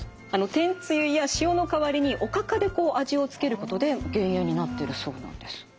天つゆや塩の代わりにおかかで味を付けることで減塩になってるそうなんです。